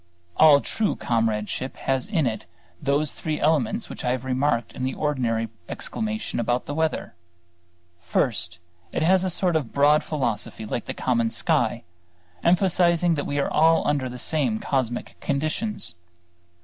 All true comradeship has in it those three elements which I have remarked in the ordinary exclamation about the weather. First, it has a sort of broad philosophy like the common sky, emphasizing that we are all under the same cosmic conditions.